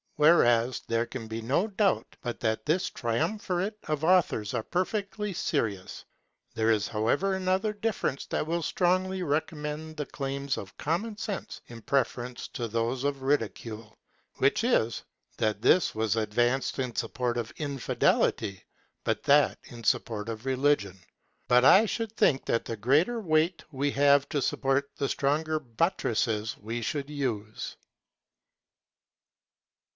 Whereas there can be no doubt but that this triumvirate of authors are perfectly serious. There is however another difference that will strongly recommend the claims of common sense in preference to those of ridicule, which is, that this was advanced in support of infidelity, but that in support of religion. But I should think that the greater weight we have to support, the stronger buttresses we should use.